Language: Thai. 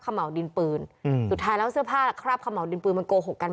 เหมาดินปืนอืมสุดท้ายแล้วเสื้อผ้าคราบขม่าวดินปืนมันโกหกกัน